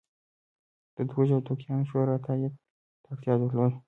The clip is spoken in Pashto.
د دوج او دوکیانو شورا تایید ته اړتیا درلوده.